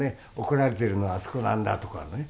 怒られてるのはあそこなんだ」とかね。